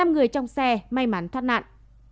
năm người trong xe may mắn thoát nạn